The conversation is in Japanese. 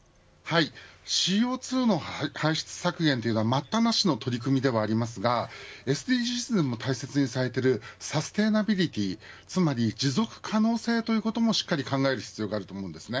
ＣＯ２の排出削減というのは待ったなしの取り組みではありますがＳＤＧｓでも大切にされているサステナビリティ、つまり持続可能性ということもしっかり考える必要があります。